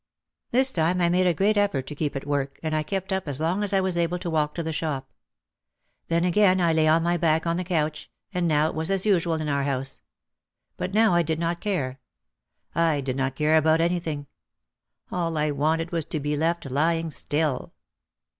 This time I made a great effort to keep at work and I kept up as long as I was able to walk to the shop. Then again I lay on my back on the couch, and now it was as usual in our house. But now I did not care. I did not care about anything. All I wanted was to be left lying still.